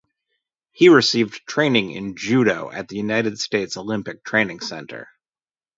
He received training in judo at the United States Olympic Training Center.